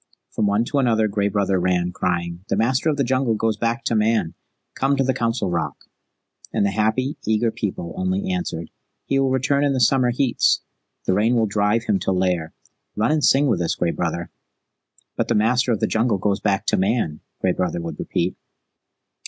From one to another Gray Brother ran, crying, "The Master of the Jungle goes back to Man! Come to the Council Rock." And the happy, eager People only answered, "He will return in the summer heats. The Rains will drive him to lair. Run and sing with us, Gray Brother." "But the Master of the Jungle goes back to Man," Gray Brother would repeat.